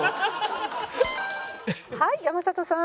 はい山里さん。